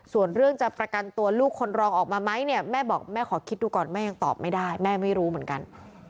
ส่วนเรื่องจะประกันตัวลูกคนรองออกมาไหมเนี่ยแม่บอกแม่ขอคิดดูก่อนแม่ยังตอบไม่ได้แม่ไม่รู้เหมือนกัน